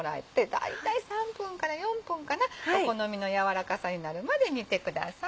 大体３分から４分かなお好みの軟らかさになるまで煮てください。